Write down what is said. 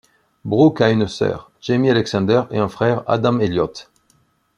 Brooke a une sœur, Jamie Alexander, et un frère, Adam Elliott.